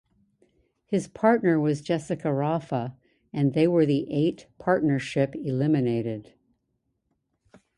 His partner was Jessica Raffa and they were the eight partnership eliminated.